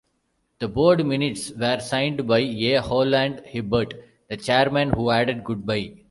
The board minutes were signed by A Holland-Hibbert, the chairman, who added "Goodbye!".